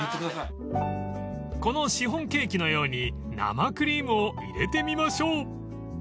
［このシフォンケーキのように生クリームを入れてみましょう］